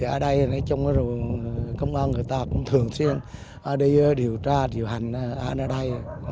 ở đây công an người ta cũng thường xuyên đi điều tra điều hành an ở đây